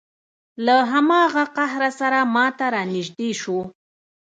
له هماغه قهره سره ما ته را نږدې شو.